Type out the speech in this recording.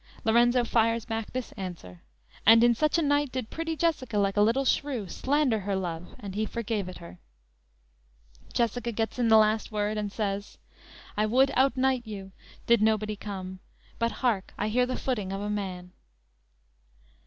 "_ Lorenzo fires back this answer: "And in such a night Did pretty Jessica, like a little shrew Slander her love, and he forgave it her." Jessica gets in the last word, and says: _"I would outnight you, did nobody come; But hark, I hear the footing of a man."